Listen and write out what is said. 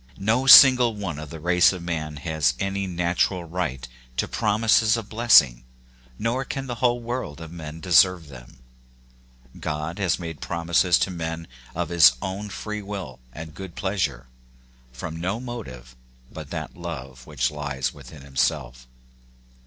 No single one of the race of man has any natural right to promises of blessing, nor can the whole world of men deserve them. God has made promises to men of his own free will and good pleasure, from no motive but that love which lies within himself.